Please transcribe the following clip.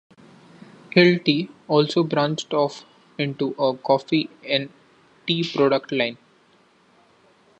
Hilty also branched off into a coffee and tea product line.